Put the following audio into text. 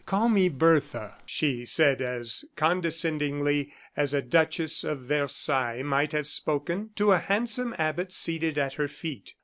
"Call me Bertha," she said as condescendingly as a duchess of Versailles might have spoken to a handsome abbot seated at her feet.